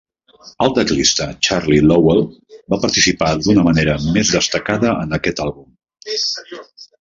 El teclista Charlie Lowell va participar d'una manera més destacada en aquest àlbum.